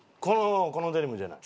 このデニムじゃない。